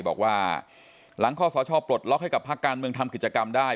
บอกว่าหลังข้อสชปลดล็อกให้กับภาคการเมืองทำกิจกรรมได้